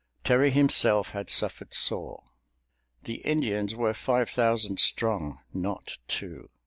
Terry himself had suffered sore. The Indians were five thousand strong, not two.